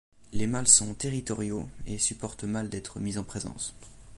Les mâles sont territoriaux, et supportent mal d'être mis en présence.